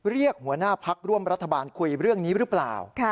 หัวหน้าพักร่วมรัฐบาลคุยเรื่องนี้หรือเปล่า